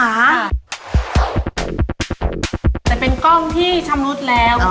แต่เป็นกล้องที่ชำรุดแล้ว